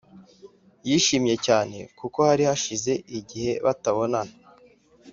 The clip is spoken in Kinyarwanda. yishimye cyane kuko hari hashize igihe batabonana,